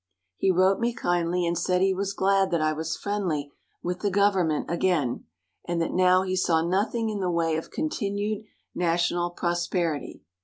He wrote me kindly and said he was glad that I was friendly with the government again, and that now he saw nothing in the way of continued national prosperity.